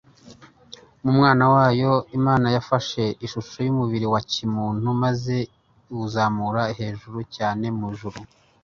Mu Mwana wayo Imana yafashe ishusho y'umubiri wa kimuntu maze iwuzamura hejuru cyane mu ijuru.